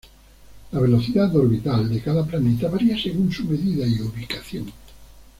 La velocidad orbital de cada planeta varía según su medida y ubicación.